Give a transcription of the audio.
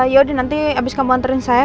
yaudah nanti abis kamu anterin saya